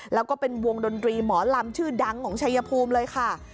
แล้วก็เป็นวงดนตรีหมอลำชื่อดังของชายภูมิเลยค่ะ